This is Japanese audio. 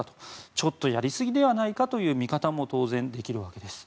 ちょっとやりすぎではないかという見方も当然できるわけです。